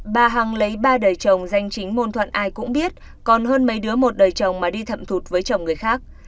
bà hằng lấy ba đời chồng danh chính môn thuận ai cũng biết còn hơn mấy đứa một đời chồng mà đi thậm thụt với chồng người khác